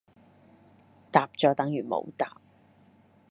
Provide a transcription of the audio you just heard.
答咗等如冇答